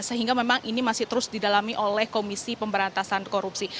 sehingga memang ini masih terus didalami oleh komisi pemberantasan korupsi